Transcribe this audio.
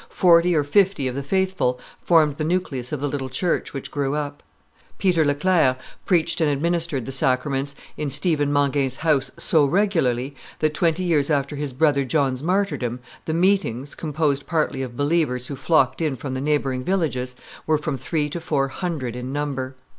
Forty or fifty of the faithful formed the nucleus of the little church which grew up. Peter Leclerc preached and administered the sacraments in Stephen Mangin's house so regularly that, twenty years after his brother John's martyrdom, the meetings, composed partly of believers who flocked in from the neighboring villages, were from three to four hundred in number.